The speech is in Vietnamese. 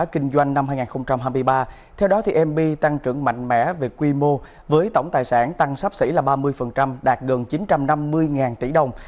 trong năm hai nghìn hai mươi ba theo đó mb tăng trưởng mạnh mẽ về quy mô với tổng tài sản tăng sắp xỉ là ba mươi đạt gần chín trăm năm mươi tỷ đồng